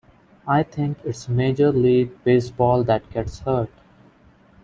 I think it's Major League Baseball that gets hurt.